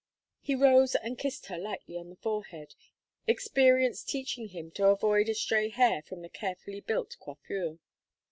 He rose and kissed her lightly on the forehead, experience teaching him to avoid a stray hair from the carefully built coiffure.